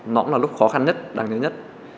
nó cũng là lúc khó khăn nhất đáng nhớ nhất